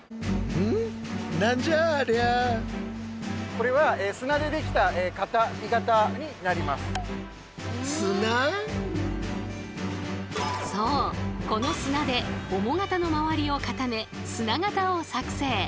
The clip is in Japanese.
その数例えばそうこの砂で母型の周りを固め砂型を作成。